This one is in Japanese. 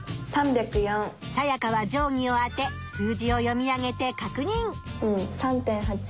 サヤカは定ぎを当て数字を読み上げて確認！